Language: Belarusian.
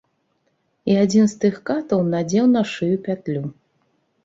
І адзін з тых катаў надзеў на шыю пятлю.